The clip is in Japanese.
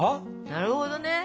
なるほど？